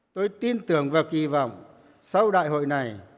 tôi tin tưởng và kỳ vọng sau đại hội này